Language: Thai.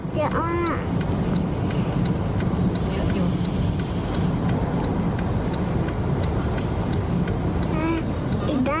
อ๋อถังอิ๊ว